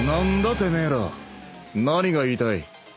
てめえら。何が言いたい？